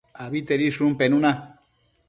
Abitedishun penuna